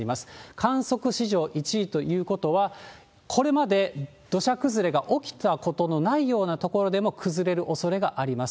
観測史上１位ということは、これまで土砂崩れが起きたことのないような所でも崩れるおそれがあります。